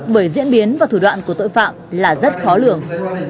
bởi diễn biến và thủ đoạn của tội phạm là rất khó lường